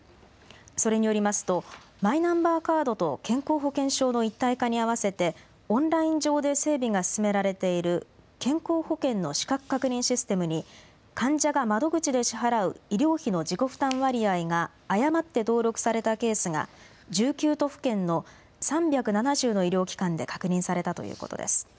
それによりますとマイナンバーカードと健康保険証の一体化に合わせてオンライン上で整備が進められている健康保険の資格確認システムに患者が窓口で支払う医療費の自己負担割合が誤って登録されたケースが１９都府県の３７０の医療機関で確認されたということです。